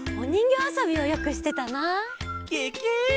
ケケ！